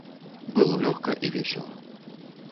Было лёгка і весела.